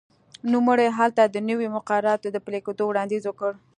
نوموړي هلته د نویو مقرراتو د پلي کېدو وړاندیز وکړ.